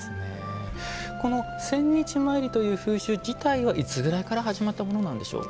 この千日詣りという風習自体はいつぐらいから始まったものなんでしょうか。